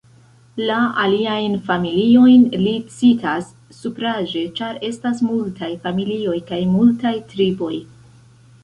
La aliajn familiojn li citas supraĵe, ĉar estas multaj familioj kaj multaj triboj.